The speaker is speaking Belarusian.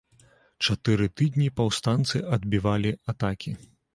Чатыры тыдні паўстанцы адбівалі атакі.